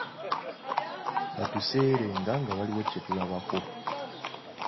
Batuseerenga nga waliwo kye tulabako.